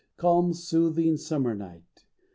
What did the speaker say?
Calm, soothing summer Night !